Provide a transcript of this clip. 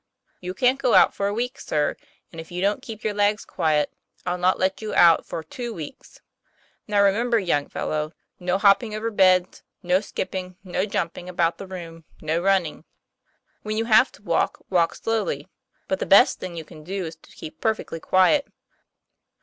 "You can't go out for a week, sir; and if you dpn't keep your legs quiet, I'll not let you out for two weeks. Now, remember, young fellow, no hop ping over beds, no skipping, no jumping about the room, no running. When you have to walk, walk slowly. But the best thing you can do is to keep perfectly quiet."